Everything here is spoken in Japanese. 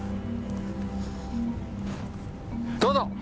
どうぞ！